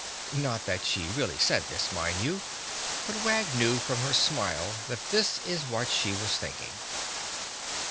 Not that she really said this, mind you, but Wag knew from her smile that this is what she was thinking.